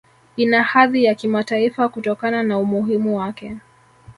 Ina hadhi ya Kimataifa kutokana na umuhimu wake